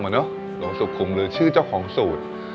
หรือชื่อเจ้าของสูตร